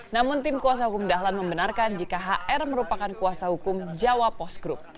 namun tim kuasa hukum dahlan membenarkan jika hr merupakan kuasa hukum jawa post group